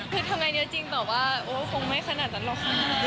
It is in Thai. คือทำอะไรว่านี้จริงเบาะว่าโอ๊ยคงไม่ขนาดนั้นหรอกค่ะ